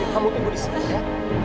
kamu tidur di sini ya